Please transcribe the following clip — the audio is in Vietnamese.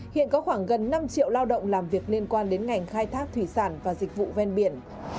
hiện có khoảng gần năm triệu lao động làm việc liên quan đến ngành khai thác thủy sản và dịch vụ ven biển